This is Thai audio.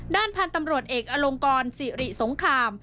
ด้านพันธุ์ตำรวจเอกอลงกรสิริสงคราม